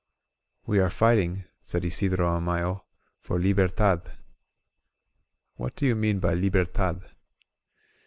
We are fighting," said Isidro Amayo, "for Liber tad." "What do you mean by Libertad?"